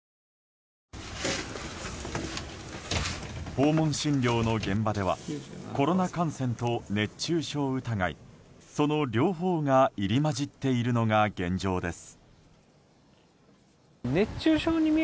訪問診療の現場ではコロナ感染と熱中症疑いその両方が入り交じっているのが現状です。